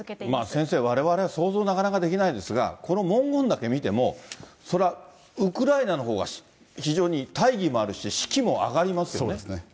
先生、われわれ想像なかなかできないですが、この文言だけ見ても、そりゃ、ウクライナのほうが非常に大義もあるし、士気も上がりますよね。